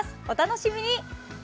お楽しみに！